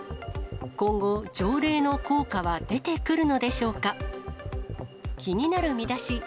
今後、条例の効果は出てくるのでしょうか。